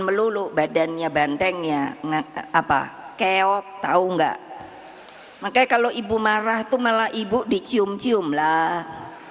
melulu badannya bandengnya apa keok tahu enggak makanya kalau ibu marah tuh malah ibu dicium cium lah